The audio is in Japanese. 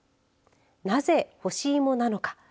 なぜ、干しいもなのか。